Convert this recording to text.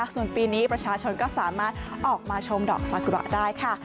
ส่วนปีนี้ประชาชนก็สามารถออกมาชมดอกสากุระได้ค่ะ